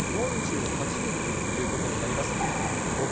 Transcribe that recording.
５０４８人ということになります。